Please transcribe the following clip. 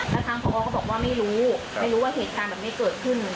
แล้วทางผอก็บอกว่าไม่รู้ไม่รู้ว่าเหตุการณ์แบบนี้เกิดขึ้น